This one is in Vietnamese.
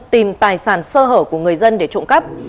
tìm tài sản sơ hở của người dân để trộm cắp